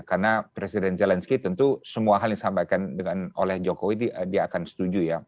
karena presiden zelensky tentu semua hal yang disampaikan oleh jokowi dia akan setuju ya